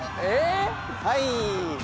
はい！